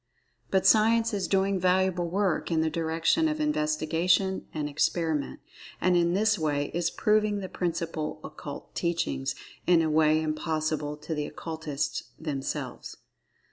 But Science is doing valuable work in the direction of investigation and experiment, and in[Pg 7] this way is proving the principal occult teachings in a way impossible to the Occultists themselves.